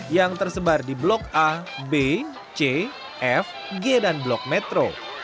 yang tersebar di blok a b c f g dan blok metro